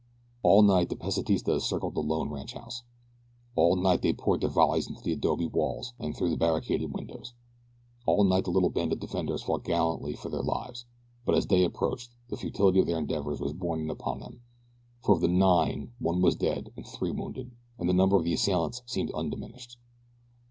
All night the Pesitistas circled the lone ranchhouse. All night they poured their volleys into the adobe walls and through the barricaded windows. All night the little band of defenders fought gallantly for their lives; but as day approached the futility of their endeavors was borne in upon them, for of the nine one was dead and three wounded, and the numbers of their assailants seemed undiminished.